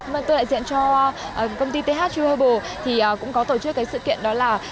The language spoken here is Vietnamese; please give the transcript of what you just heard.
mà tôi lại diễn cho công ty th true herbal thì cũng có tổ chức cái sự kiện đó là